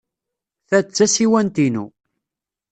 Ta d tasiwant-inu.